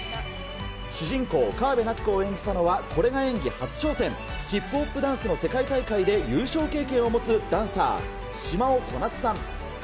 主人公、川辺夏子を演じたのは、これが演技初挑戦、ヒップホップダンスの世界大会で優勝経験を持つダンサー、島雄こなつさん。